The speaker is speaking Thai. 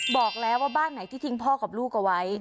บอกแล้วว่าบ้านไหนที่ทิ้งพ่อกับลูกเอาไว้